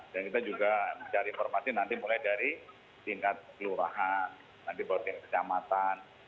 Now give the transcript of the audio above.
dan kita juga mencari informasi nanti mulai dari tingkat kelurahan nanti balik ke kecamatan